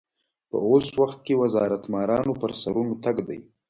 په اوس وخت کې وزارت مارانو پر سرونو تګ دی.